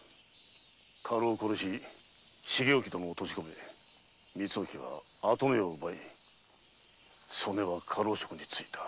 家老を殺し重意殿を閉じ込め光意は跡目を奪い曽根は家老職に就いた。